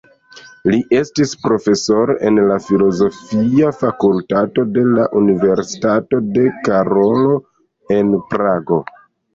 Li estis profesoro en la Filozofia fakultato de la Universitato de Karolo en Prago.